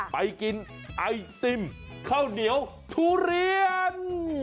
ไปกินไอติมข้าวเหนียวทุเรียน